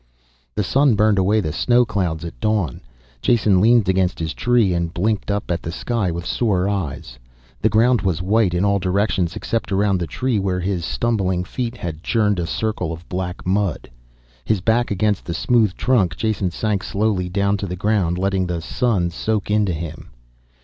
The sun burned away the snow clouds at dawn. Jason leaned against his tree and blinked up at the sky with sore eyes. The ground was white in all directions, except around the tree where his stumbling feet had churned a circle of black mud. His back against the smooth trunk, Jason sank slowly down to the ground, letting the sun soak into him.